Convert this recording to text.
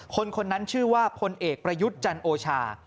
คนคนนั้นชื่อว่าพลเอกประยุทธ์จันโอชา